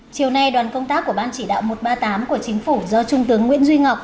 chiều nay đoàn công tác của ban chỉ đạo một trăm ba mươi tám của chính phủ do trung tướng nguyễn duy ngọc